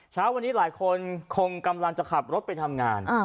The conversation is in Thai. เช้าวันนี้หลายคนคงกำลังจะขับรถไปทำงาน